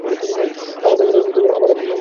আমার দাদার আর আমার একই নাম।